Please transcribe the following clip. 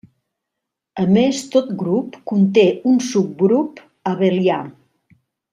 A més tot grup conté un subgrup abelià.